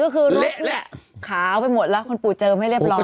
ก็คือรถแหละขาเอาไปหมดแล้วคุณปูเจอไม่เรียบร้อยโอ้โฮ